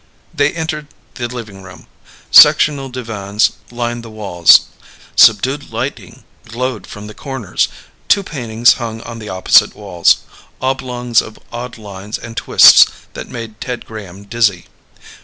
They entered the living room. Sectional divans lined the walls. Subdued lighting glowed from the corners. Two paintings hung on the opposite walls oblongs of odd lines and twists that made Ted Graham dizzy.